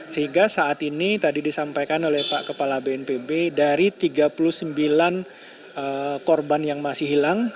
sehingga saat ini tadi disampaikan oleh pak kepala bnpb dari tiga puluh sembilan korban yang masih hilang